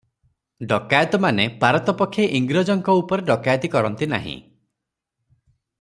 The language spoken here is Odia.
ଡକାଏତମାନେ ପାରତ ପକ୍ଷେ ଇଂରେଜଙ୍କ ଉପରେ ଡକାଏତି କରନ୍ତି ନାହିଁ ।